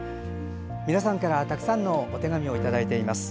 皆さんから、たくさんのお手紙をいただいています。